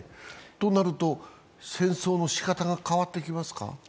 となると、戦争の仕方が変わってきますか？